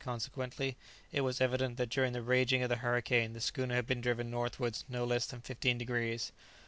consequently, it was evident that during the raging of the hurricane the schooner had been driven northwards no less than fifteen degrees.